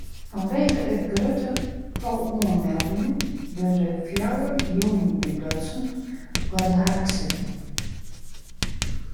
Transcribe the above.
Fanwegen it grutte tal oanmeldingen wurde fjouwer jûnen útlutsen foar de harksitting.